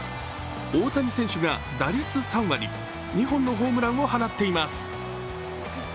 大谷選手が打率３割、２本のホームランを放っています。